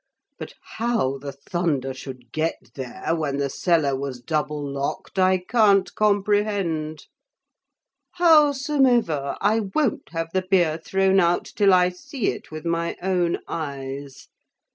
But how the thunder should get there, when the seller was double locked, I can't comprehend. Howsomever, I won't have the beer thrown out, till I see it with my own eyes.